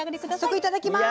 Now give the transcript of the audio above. いただきます。